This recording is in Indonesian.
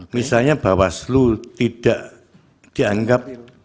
misalnya bawaslu tidak dianggap